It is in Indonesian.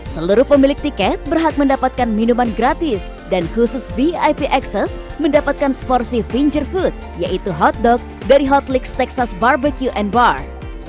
seluruh pemilik tiket berhak mendapatkan minuman gratis dan khusus vip access mendapatkan seporsi finger food yaitu hotdog dari hotlix texas barbecue and bar